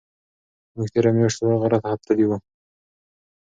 موږ تېره میاشت لوړ غره ته تللي وو.